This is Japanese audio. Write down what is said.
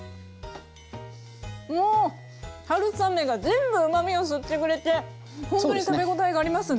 もう春雨が全部うまみを吸ってくれてほんとに食べごたえがありますね。